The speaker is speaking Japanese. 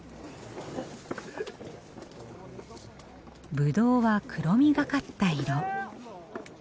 ぶどうは黒みがかった色。